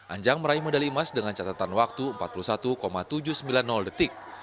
anjang meraih medali emas dengan catatan waktu empat puluh satu tujuh ratus sembilan puluh detik